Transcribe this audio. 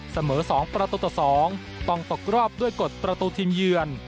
เสมอ๒ประตูต่อ๒ต้องตกรอบด้วยกฎประตูทีมเยือน